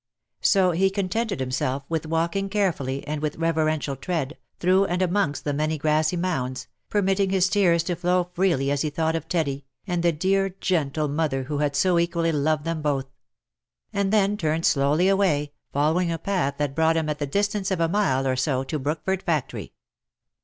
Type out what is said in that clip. So he contented himself with walking* carefully, and with reverential tread, through and amongst the many grassy mounds, permitting his tears to flow freely as he thought of Teddy, and the dear gentle mother who had so equally loved them both ; and then turned slowly away, following a path that brought him at the distance of a mile or so to Brookford factory.